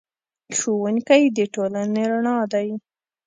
ښوونکی د ټولنې رڼا دی.